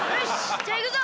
じゃあ行くぞ！